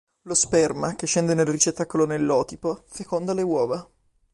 Lo sperma, che scende dal ricettacolo nell'ootipo, feconda le uova.